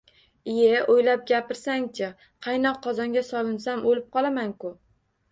– Iye! O‘ylab gapirsang-chi! Qaynoq qozonga solinsam, o‘lib qolaman-ku!